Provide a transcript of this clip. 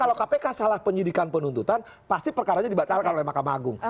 kalau kpk salah penyidikan penuntutan pasti perkaranya dibatalkan oleh mahkamah agung